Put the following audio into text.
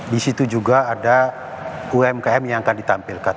di situ juga ada umkm yang akan ditampilkan